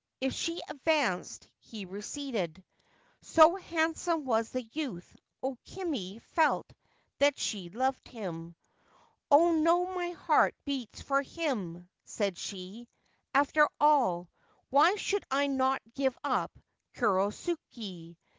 If she advanced, he receded. So handsome was the youth, O Kimi felt that she loved him. < Oh how my heart beats for him !' said she. ' After all, why should I not give up Kurosuke